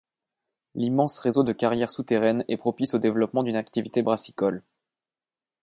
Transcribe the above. L'immense réseau de carrières souterraines est propice au développement d'une activité brassicole.